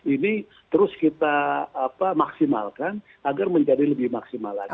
ini terus kita maksimalkan agar menjadi lebih maksimal lagi